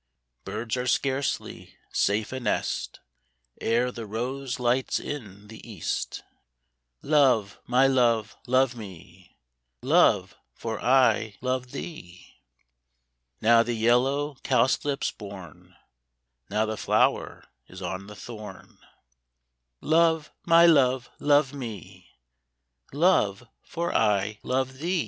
Birds are scarcely safe a nest Ere the rose light's in the east :" Love, my love, love me, Love, for I love thee !" Now the yellow cowslip's born, Now the flower is on the thorn :" Love, my love, love me, Love, for I love thee